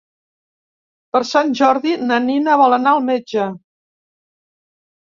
Per Sant Jordi na Nina vol anar al metge.